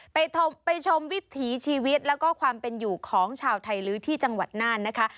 ไปชมวิถีชีวิตแล้วก็ความเป็นอยู่ของชาวไทยลื้อที่จังหวัดน่านนะคะ